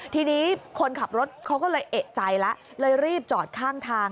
ทีนี้คนขับรถเขาก็เลยเอกใจแล้วเลยรีบจอดข้างทาง